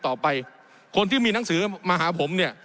สอบวินัยต่อไปคนที่มีหนังสือมาฮะผมเนี่ย